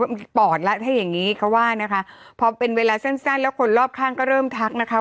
มันปอดแล้วถ้าอย่างงี้เขาว่านะคะพอเป็นเวลาสั้นสั้นแล้วคนรอบข้างก็เริ่มทักนะคะ